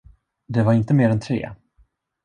Det var inte mer än tre.